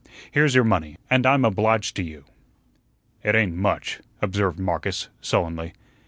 Here's your money, and I'm obliged to you." "It ain't much," observed Marcus, sullenly.